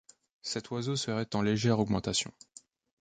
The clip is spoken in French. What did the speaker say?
Cet oiseau serait en légère augmentation.